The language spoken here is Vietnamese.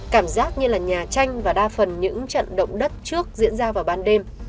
cảm giác như là nhà tranh và đa phần những trận động đất trước diễn ra vào ban đêm